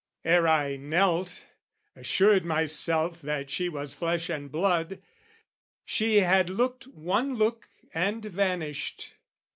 Ere I knelt Assured myself that she was flesh and blood She had looked one look and vanished.